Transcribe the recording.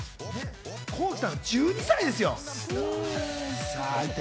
コウキさん、１２歳ですよ。